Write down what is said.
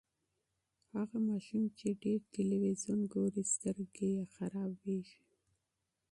هغه ماشوم چې ډېر تلویزیون ګوري، سترګې یې خرابیږي.